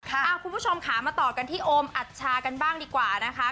เอ้าคุณผู้ชมค่ะมาต่อกันที่ฮอัชจารย์บ้างดีกว่านะคะ